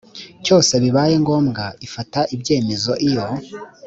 cyose bibaye ngombwa ifata ibyemezo iyo